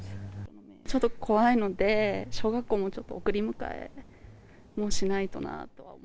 ちょっと怖いので、小学校のちょっと送り迎えもしないとな。